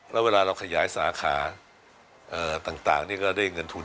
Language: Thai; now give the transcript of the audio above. แล้วเวลาเราขยายสาขาต่างนี่ก็ได้เงินทุน